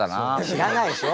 知らないでしょ。